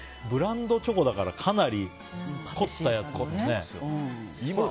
ブランドチョコだからかなりこったやつですよね。